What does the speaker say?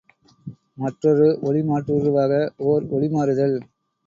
மற்றொரு ஒளிமாற்றுருவாக ஒர் ஒளிமாறுதல்.